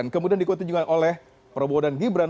kemudian dikutujukan oleh peroboh dan gibran